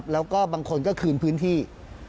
แล้วก็บางคนก็คืนพื้นที่